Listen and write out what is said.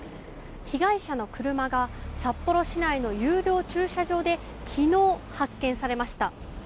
被害者の車が札幌市内の有料駐車場で昨日、発見されました。